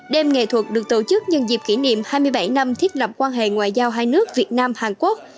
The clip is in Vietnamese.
đêm nghệ thuật được tổ chức nhân dịp kỷ niệm hai mươi bảy năm thiết lập quan hệ ngoại giao hai nước việt nam hàn quốc